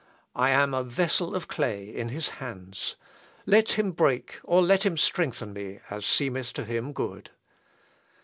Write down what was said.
I am a vessel of clay in his hands. Let him break or let him strengthen me as seemeth to him good."